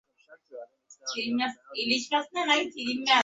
তিনি আসাম প্রদেশে প্রথম স্থান লাভ করেন।